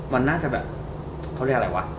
มันน่าจะแบบเขาเรียกอะไรวะ